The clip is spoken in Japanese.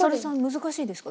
難しいですか？